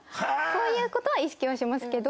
そういう事は意識はしますけど。